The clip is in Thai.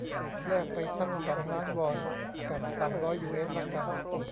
แลกไปซักสองล้านวอน กับ สามร้อยยูเอสละกัน